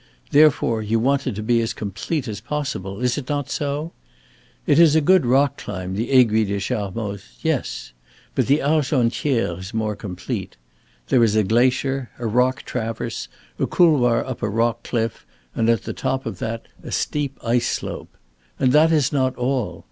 Therefore you want it to be as complete as possible is it not so? It is a good rock climb, the Aiguille des Charmoz yes. But the Argentière is more complete. There is a glacier, a rock traverse, a couloir up a rock cliff, and at the top of that a steep ice slope. And that is not all.